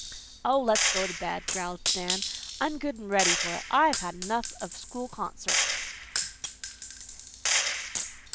"Oh, let's go to bed," growled Dan. "I'm good and ready for it. I've had enough of school concerts."